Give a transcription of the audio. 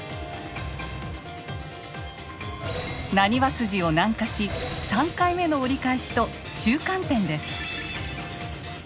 なにわ筋を南下し３回目の折り返しと中間点です。